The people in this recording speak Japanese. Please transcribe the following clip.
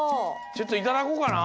ちょっといただこうかな。